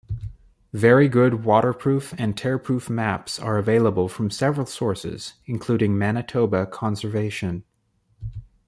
Very good waterproof and tearproof maps are available from several sources, including Manitoba Conservation.